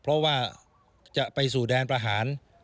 เพราะว่าจะไปสู่แดนประหาร